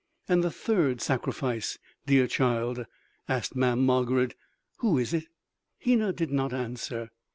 "And the third sacrifice, dear child?" asked Mamm' Margarid; "Who is it?" Hena did not answer.